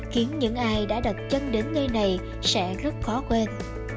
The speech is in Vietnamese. khiến những ai đã đặt chân đến nơi này sẽ rất khó quên